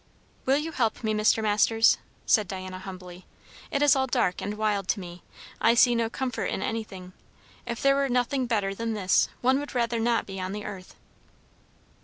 "Will you help me, Mr. Masters?" said Diana humbly. "It is all dark and wild to me, I see no comfort in anything. If there were nothing better than this, one would rather not be on the earth."